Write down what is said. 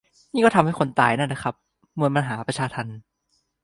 นี่ก็ทำให้คนตายได้นะครับ มวลมหาประชาทัณฑ์